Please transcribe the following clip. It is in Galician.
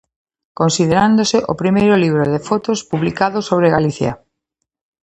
Considerándose o primeiro libro de fotos publicado sobre Galicia.